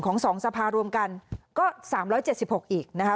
ของสองสภารวมกันก็๓๗๖อีกนะคะ